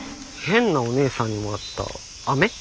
変なおねえさんにもらったあめ。